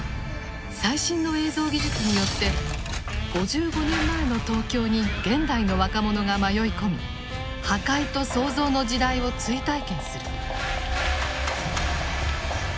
最新の映像技術によって５５年前の東京に現代の若者が迷い込み破壊と創造の時代を追体験する。